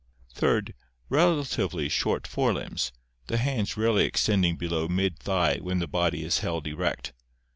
Third, relatively short fore limbs, the hands rarely ex tending below mid thigh when the body is held erect.